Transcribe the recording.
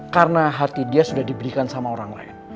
karena hati dia sudah diberikan sama orang lain